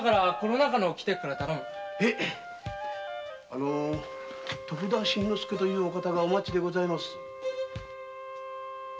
あの徳田新之助様という方がお待ちでございます。